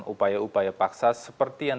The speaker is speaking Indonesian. upaya upaya paksa seperti yang